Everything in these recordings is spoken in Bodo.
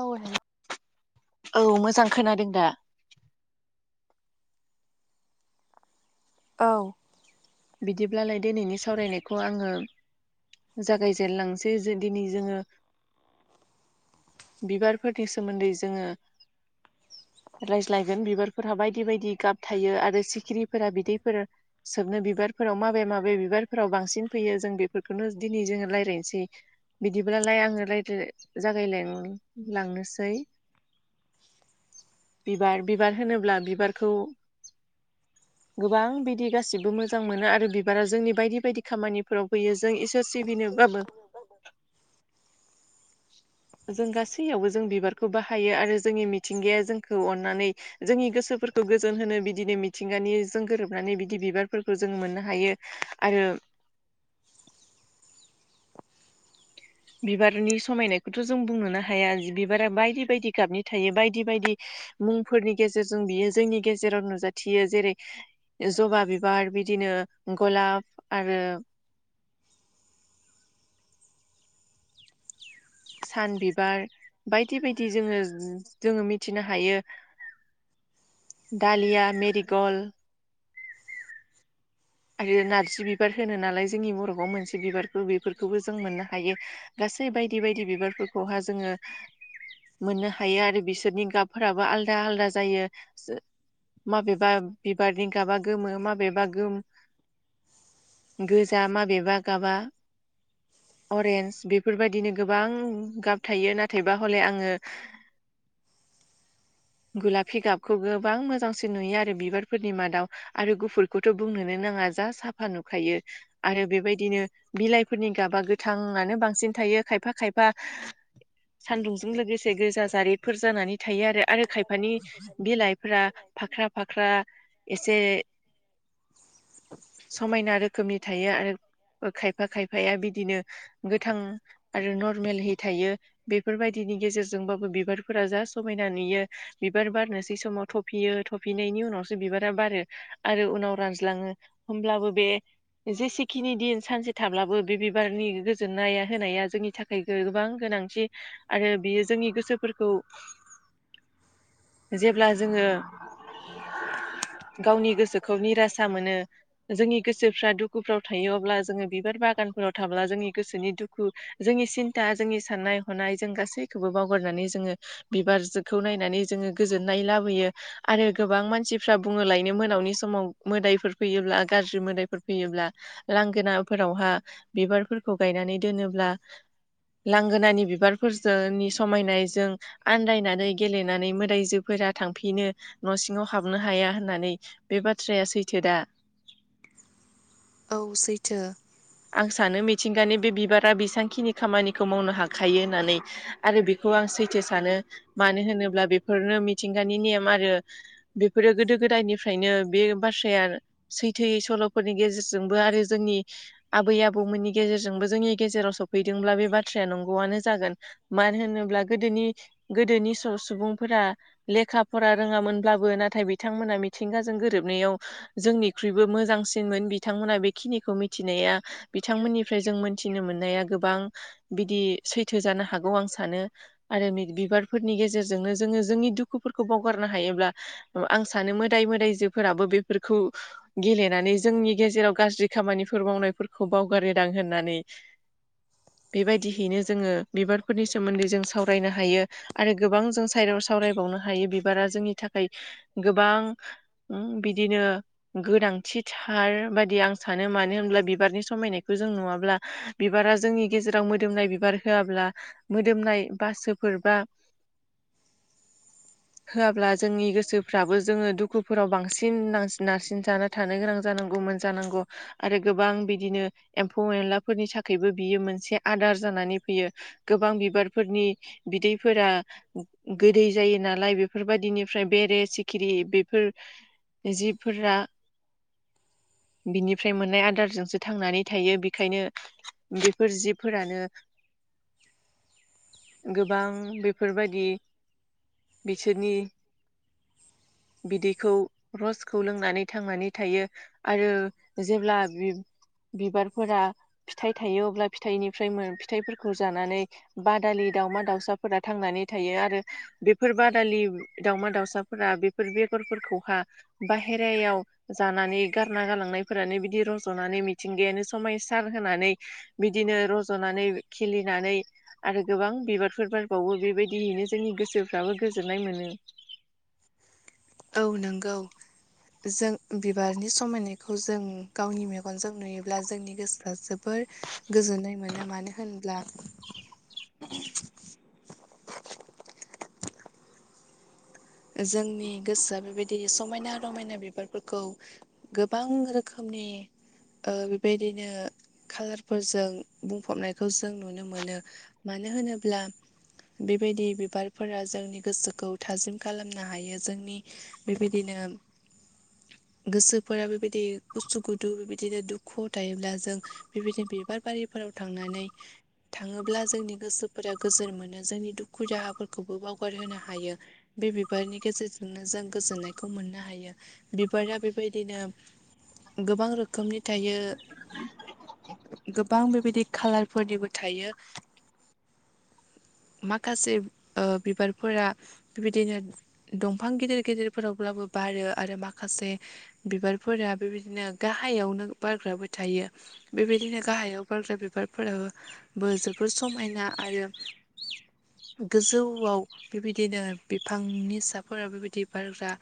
औे हेल औ मोजां खोनादों दा? औ। बिदिब्लालाय दिनैनि सावरायनायखौ आङो जागायजेनलांसै जुदिनि जोङो बिबारफोरनि सोमोन्दै जोङो रायज्लायगोन। बिबारफोरहा बायदि बायदि गाब थायो आरो सिखिरिफोरा बिदैफोर सोबनो बिबार फोराव माबे माबे बिबारफोराव बांसिन फैयो। जों बेफोरखौनो दिनै जोङो रायलायनोसै। बिदिब्लालाय आङो रायलाय जागायलाय लांनोसै। बिबार बिबार होनोब्ला बिबारखौ गोबां बिदि गासिबो मो जां मोनो आरो बिबारा जोंनि बायदि बायदि खामानिफोराव फैयो। जों इसोर सिबिनोबाबो जों गासैयावबो जों बिबारखौ बाहायो आरो जोंनि मिथिंगाया जोंखौ अन्नानै जोंनि गोसोफोरखौ गोजोन होनो बिदिनो मिथिंगानि जों गोरोबनानै बिदि बिबारफोरखौ जों मोननो हायो। आरो [inaudible] बिबारनि समायनायखौथ' जों बुंनोनो हाया। जि बिबारा बायदि बायदि गाबनि थायो बायदि बायदि मुंफोरनि गेजेरजों बियो जोंनि गेजेराव नुजाथियो। जेरै जबा बिबार बिदिनो गलाब आरो [inaudible] [inaudible] सान बिबार बायदि बायदि जोङो जोङो मिथिनो हायो। डालिया, मेरिगल आरो नारजि बिबार होनो नालाय जोंनि बर'फआव मोनसे बिबारखौ बेफोरखौबो जों मोननो हायो। गासै बायदि बायदि बिबारफोरखौहा जोङो मोननो हायो आरो बिसोरनि गाबफोराबो आलदा आलदा जायो। जो माबेबा बिबारनि गाबा गोमो माबेबा गोम गोजा माबेबा गाबा अरेन्स बेफोरबायदिनो गोबां गाब थायो नाथायबा हले आङो [inaudible] गुलाफि गाबखौ गोबां मोजांसिन नुयो आरो बिबारफोरनि मादाव आरो गुफुरखौथ' बुंनो नो नाङा जा साफा नुखायो। आरो बेबायदिनो बिलाइफोरनि गाबा गोथाङानो बांसिन थायो खायफा खायफा सान्दुंजों लोगोसे गोजा जारेफोर जानानै थायो आरो आरो खायफानि बिलाइफोरा फाख्रा फाख्रा एसे समायना रोखोमनि थायो आरो खायफा खायफाया बिदिनो गोथां आरो नरमेलहै थायो। बेफोरबायदिनि गेजेरजोंबाबो बिबारफोरा जा समायना नुयो बिबार बारनोसै समाव थ थफियो थफिनायनि उनावसो बिबारा बारो आरो उनाव रानज्लाङो होमब्लाबो बे जेसेखिनि दिन सानसे थाब्लाबो बे बिबारनि गोजोननाया होनाया जोंनि थाखाय थाखाय गोबां गोनांथि आरो बियो जोंनि गोसोफोरखौ जेब्ला जोङो [unintelligible] गावनि गोसोखौ निरासा मोनो जोंनि गोसोफ्रा दुखुफ्राव थायो अब्ला जोङो बिबार बा दखानफोराव थाब्ला जोंनि गोसोनि दुखु जोंनि सिन्था जोंनि साननाय हनाय जों गासैखौबो बावगारनानै जोङो बिबारखौ नायनानै जोङो गोजोननाय लाबोयो। आरो गोबां मानसिफ्रा बुङो लायनो मोनावनि समाव मोदायफोर फैयोब्ला गाज्रि मोदायफोर फैयोब्ला लांगोनाफोरावहा बिबारफोरखौ गायनानै दोनोब्ला लांगोनानि बिबारफोरजोंनि समायनायजों आन्दायनानै गेलेनानै मोदायजोफोरा थांफिनो। न' सिङाव हाबनो हाया होननानै बे बाथ्राया सैथो दा। औ सैथो आं सानो मिथिंगानि बे बिबारा बेसेबांखिनि खामानिखौ मावनो हाखायो होननानै। आरो बेखौ आं सैथो सानो मानो होनोब्ला बेफोरनो मिथिंगानि नेम आरो बेफोरो गोदो गोदायनिफ्रायनो बे बाथ्राया सैथोयै सल'फोरनि गेजेरजोंबो आरो जोंनि आबै आबौमोननि गेजेरजोंबो जोंनि गेजेराव सफैदोंब्ला बे बाथ्राया नंगौआनो जागोन। मानो होनोब्ला गोदोनि गोदोनि स-सुबुंफोरा लेखा फरा रोङामोनब्लाबो नाथाय बिथांमोना मिथिंगाजों गोरोबनायाव जोंनिख्रुइबो मोजांसिनमोन बिथांमोना बेखिनिखौ मिथिनाया बिथांमोननिफ्राय जों मोनथिनो मोननाया गोबां बिदि सैथो जानो हागौ आं सानो। आरो बिबारफोरनि गेजेरजोंनो जोङो जोंनि दुखुफोरखौ बावगारनो हायोब्ला औ आं सानो मोदाय मोदायजोफोराबो बेफोरखौ गेलेनानै जोंनि गेजेराव गाज्रि खामानिफोर मावनायफोरखौ बावगारोदां होननानै। बेबायदियैनो जोङो बिबारफोरनि सोमोन्दै जों सावरायनो हायो आरो गोबां जों सायदाव सावरायबावनो हायो बिबारा जोंनि थाखाय गोबां बिदिनो गोनांथिथार बादि आं सानो मानो होनब्ला बिबारनि समायनायखौ जों नुवाब्ला बिबारा जोंनि गेजेराव मोदोमनाय बिबार होआब्ला मोदोमनाय बासोफोर बा होआब्ला जोंनि गोसोफ्राबो जोङो दुखुफोराव बांसिन नांसि नारसिन जानो थानो गोनां जांगौ मोन जानांगौ आरो गोबां बिदिनो एम्फौ एनलाफोरनि थाखायबो बियो मोनसे आदार जानानै फैयो। गोबां बिबारफोरनि बिदैफोरा गोदै जायो नालाय बेफोर बायदिनिफ्राय बेरे सिखिरि बेफोर जिबफोरा बिनिफ्राय मोननाय आदारजोंसो थांनानै थायो बेनिखायनो बेफोर जिफोरानो गोबां बेफोर बायदि बिसोरनि बिदैखौ रसखौ लोंनानै थांनानै थायो। आरो जेब्ला बिबारफोरा फिथाइ थायो अब्ला फिथाइनिफ्राय मोन फिथाइफोरखौ जानानै बादालि दाउमा दाउसाफोरा थांनानै थायो आरो बेफोर बादालि दावमा दाउसाफोरा बे फोर बेगरफोरखौहा बाहेरायाव जानानै गारना गालांनायफोरानो बिदि रज'नानै मि मिथिंगायानो समायसार होनानै बिदिनो रज'नानै खिलिनानै आरो गोबां बिबारफोर बारबावो बेबायदियैनो जोंनि गोसोफ्राबो गोजोननाय मोनो। औ नोंगौ जों बिबारनि समायनायखौ जों गावनि मेगनजों नुयोब्ला जोंनि गोसोआ जोबो बोर गोजोननाय मोनो मानो होनोब्ला [inaudible] जोंनि गोसोआ बेबायदि समायना रमायना बिबारफोरखौ गोबां रोखोमनि ओ बेबायदिनो खालारफोरजों बुंफबनायखौ जों नुनो मोनो। मानो होनोब्ला बेबायदि बिबारफोरा जोंनि गोसोखौ थाजिम खालामनो हायो जोंनि बेबायदिनो गोसोफोरा बेबायदि गुसु गुदु बेबायदिनो दुखुआव थायोब्ला जों बिबायदिनो बिबार बारिफोराव थांनानै थाङोब्ला जोंनि गोसोफोरा गोजोर मोनो। जोंनि दुखु दाहाफोरखौबो बावगारहोनो हायो। बे बिबारनि गेजेरजोंनो जों गोजोननायखौ मोननो हायो। बिबारा बेबायदिनो गोबां रोखोमनि थायो। गोबां बेबायदि खाालारफोरनिबो थायो। माखासे ऐ बिबारफोरा बेबायदिनो दंफां गिदिर गिदिरफोरावब्लाबो बारो आरो माखासे बिबारफोरा बेबायदिनो गाहायावनो बारग्राबो थायो। बेबायदिनो गाहायाव बारग्रा बिबारफोराबो जोबोर समायना आरो गोजौआव बेबायदिनो बिफांनिसाफोरा बेबायदि बारग्रा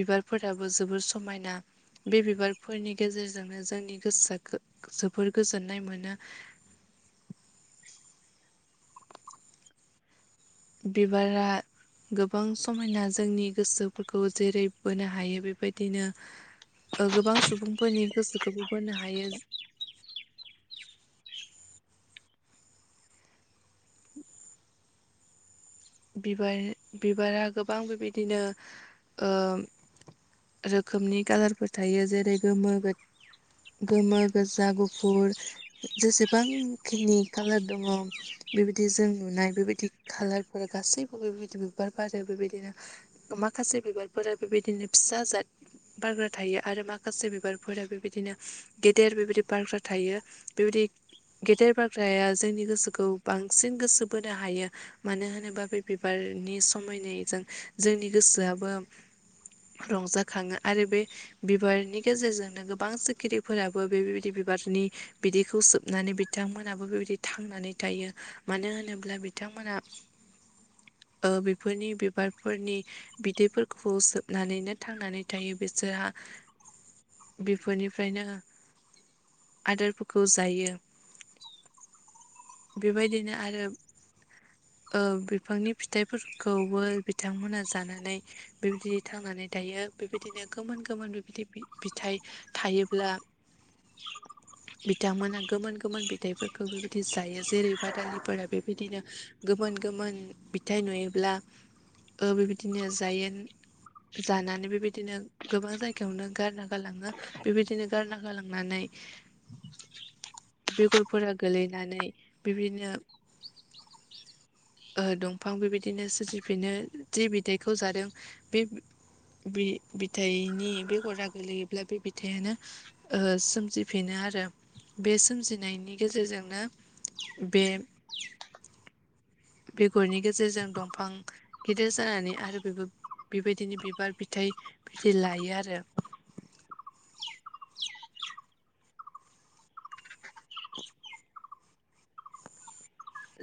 बिबारफोराबो जोबोर समायना बे बिबारफोरनि गेजेरजोंनो जोंनि गोसोआ गो जोबोर गोजोननाय मोनो। बिबारा गोबां समायना जोंनि गोसोफोरखौ जेरै बोनो हायो बेबायदिनो गोबां सुबुंफोरनि गोसोखौबो बोनो हायो। बिबार बिबारा गोबां बेबायदिनो ओ रोखोमनि कालारफोर थायो जेरै गोमो गो गोमो गोजा गुफुर जेसेबांखिनि कालार दङ' बेबायदि जों नुनाय बेबायदि खाालारफोर गासैबो बेबायदि बिबार बारो बेबायदिनो माखासे बिबारफोरा बेबायदिनो फिसा जाद बारग्रा थायो आरो माखासे बिबारफोरा बेबायदिनो गेदेर बेबायदि बारफ्रा थायो बेबायदि गेदेर बाग्राया जोंनि गोसोखौ बांसिन गोसो बोनो हायो मानो हो मानोबा बे बिबारनि समायनायजों जोंनि गोसोआबो रंजाखाङो आरो बे बिबारनि गेजेरजोंनो गोबां सिखिरिफोराबो बेबायदि बिबारनि बिदिखौ सोबनानै बिथांमोनाबो बेबायदि थांनानै थायो। मानो होनोब्ला बिथांमोना ओ बेफोरनि बिबारफोरनि बिदैफोरखौ सोबनानैनो थांनानै थायो बिसोरहा। बेफोरनिफ्रायनो आदारफोरखौ जायो बेबायदिनो आरो ओ बिफांनि फिथाइफोरखौबो बिथांमोना जानानै बेबायदि थांनानै थायो बेबायदिनो गोमोन गोमोन बेबायदि बिथाइ थायोब्ला बिथांमोना गोमोन गोमोन फिथाइफोरखौ बेबायदि जायो जेरै बादालिफोरा बेबायदिनो गोमोन गोमोन बिथाइ नुयोब्ला बेबायदिनो जायेन जानानै बेबायदिनो गोबां जायगायावनो गारना गालाङो। बेबायदिनो गारना गोलांनानै [inaudible] बेगरफोरा गोलैनानै बिदिनो दंफां बेबायदिनो सोरजिफिनो जि बिदैखौ जादों बे बे बिथायनि बेगरा गोलैयोब्ला बे बिथाइयानो सोमजिफिनो आरो। बे सोमजिनायनि गेजेरजोंनो बे बेगरनि गेजेरजों दंफां गिदिर जानानै आरो बेबो बेबायदिनो बिबार फिथाइ बिदि लायो आरो।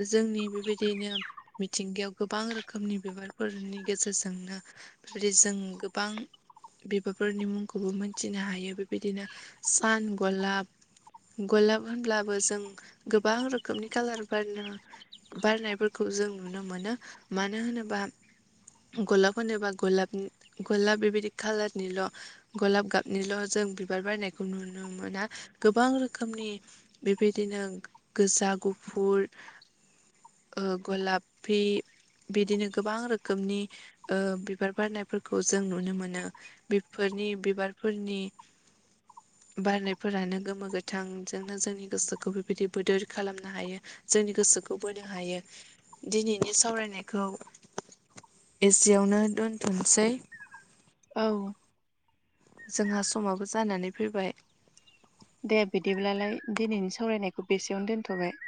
जोंनि बेबायदियैनो मिथिंगायाव गोबां रोखोमनि बिबारफोरनि गेजेरजोंनो बेबायदि जों गोबां बिबारफोरनि मुंखौबो मोनथिनो हायो बेबायदिनो सान गलाब गलाब होनब्लाबो जों गोबां रोखोमनि कालार बारनो बारनायफोरखौ जों नुनो मोनो मानो होनोबा गलाब होनोबा गलाब गलाब बेबायदि खाालारनिल'। गलाब गाबनिल' जों बिबार बारनायखौ नुनो मोना गोबां रोखोमनि बेबायदिनो गोजा गुफुर गलाफि बिदिनो गोबां रोखोमनि बिबार बारनायफोरखौ जों नुनो मोनोह बेफोरनि बिबारफोरनि बारनायफोरानो गोमो गोथांजोंनो जोंनि गोसोखौ बेबायदि बोदोर खालामनो हायो। जोंनि गोसोखौ बोनो हायो दिनैनि सावरायनायखौ एसेयावनो दोनथ'सै औ। जोंहा समाबो जानानै फैबाय। दे बिदिब्लालाय दिनैनि सावरायनायखौ बेसेयावनो दोनथ'बाय।